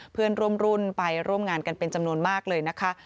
เพื่อนร่วมรุ่นไปร่วมงานกันเป็นจำนวนมากเลยนะคะ